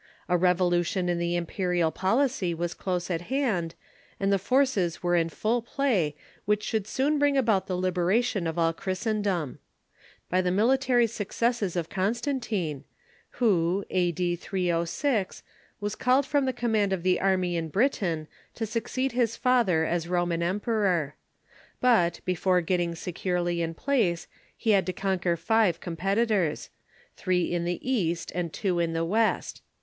A revolution in the imperial pol icy was close at hand, and the forces were in full play which should soon bring about the liberation of all Christendom. This was effected by the military successes of Constantine, who, A.D. 306, was called from the command of the army in LIBEBATION UNDER COXSTANTINE 39 Britain to succeed his father as Roman emperor. But, before getting securely in place, he had to conquer five competitors— three i^ii the East and two in the West.